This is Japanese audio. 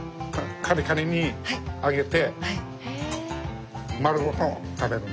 カリカリに揚げて丸ごと食べるの。